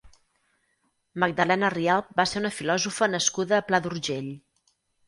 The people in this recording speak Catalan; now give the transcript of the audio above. Magdalena Rialp va ser una filòsofa nascuda a Pla d'Urgell.